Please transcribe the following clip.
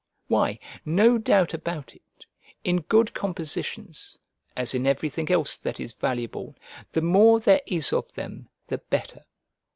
Why, no doubt about it, in good compositions, as in everything else that is valuable, the more there is of them, the better.